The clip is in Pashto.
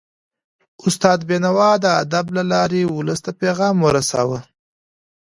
استاد بينوا د ادب له لارې ولس ته پیغام ورساوه.